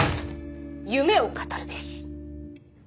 夢を語るべし。